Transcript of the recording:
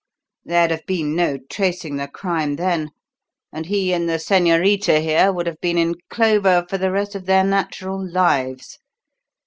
There'd have been no tracing the crime then; and he and the Señorita here would have been in clover for the rest of their natural lives.